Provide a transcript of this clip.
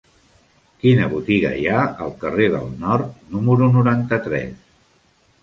Quina botiga hi ha al carrer del Nord número noranta-tres?